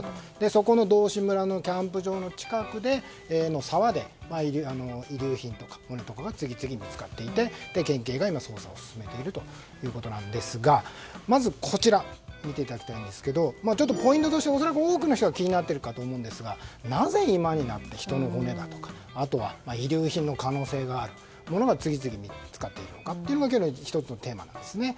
そこの道志村のキャンプ場の近くの沢で遺留品とかが次々と見つかっていて県警が今、捜索を進めているということですがまず、こちらを見ていただきたいんですけどポイントとして恐らく多くの人が気になっているかと思うんですがなぜ今になって人の骨だとかあとは、遺留品の可能性があるものが次々に見つかっているのかというのが１つのテーマです。